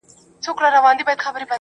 خبره مو د حسن کوله